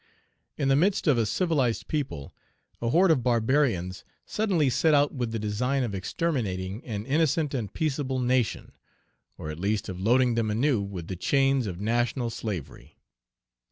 In the midst of a civilized people, a horde of barbarians suddenly set out with the design of exterminating an innocent and peaceable nation, or at least of loading them anew with the chains of national slavery.